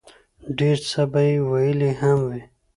ډېر څۀ به ئې ويلي هم وي